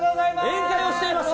宴会をしています。